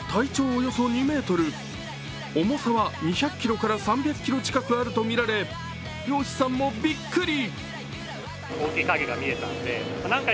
およそ２ｍ、重さは２００ｋｇから３００ｋｇ近くあるとみられ漁師さんもびっくり。